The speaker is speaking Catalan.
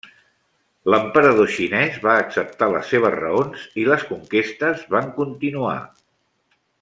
L'emperador xinès va acceptar les seves raons i les conquestes van continuar.